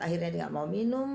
akhirnya dia nggak mau minum